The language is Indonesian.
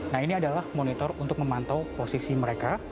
nah ini adalah monitor untuk memantau posisi mereka